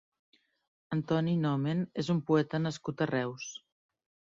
Antoni Nomen és un poeta nascut a Reus.